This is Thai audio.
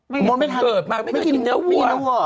ไม่เกิดมาไม่เคยกินเนื้อวัว